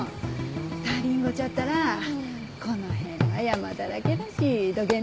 足りんごちゃったらこの辺は山だらけだしどげん